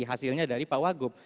hasilnya dari pak wagup